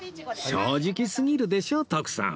正直すぎるでしょ徳さん